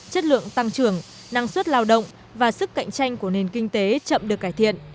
chất lượng tăng trưởng năng suất lao động và sức cạnh tranh của nền kinh tế chậm được cải thiện